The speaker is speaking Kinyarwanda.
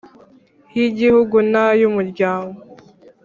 y Igihugu n ay Umuryango